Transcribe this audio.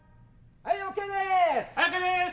はいＯＫです！